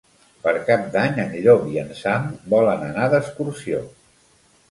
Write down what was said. Per Cap d'Any en Llop i en Sam volen anar d'excursió.